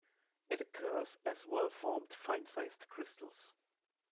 It occurs as well-formed fine-sized crystals.